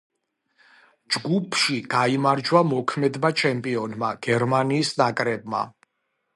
ჯგუფში გაიმარჯვა მოქმედმა ჩემპიონმა, გერმანიის ნაკრებმა.